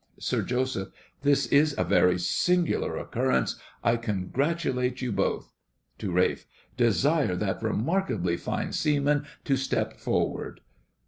SIR JOSEPH. This is a very singular occurrence; I congratulate you both. (To RALPH.) Desire that remarkably fine seaman to step forward.